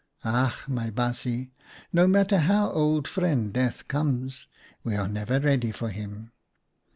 " Ach! my baasje, no matter how Old Friend Death comes, we are never ready for him.